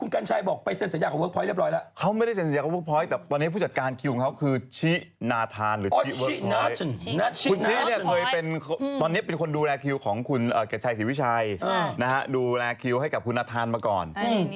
คนดูแลคิวของคุณกระชายศรีวิชัยดูแลคิวให้กับคุณนัทธานมาก่อน